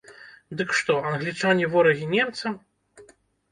Дык што, англічане ворагі немцам?